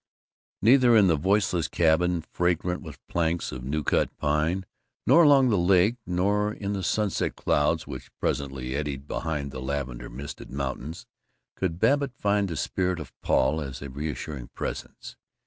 Neither in his voiceless cabin, fragrant with planks of new cut pine, nor along the lake, nor in the sunset clouds which presently eddied behind the lavender misted mountains, could Babbitt find the spirit of Paul as a reassuring presence.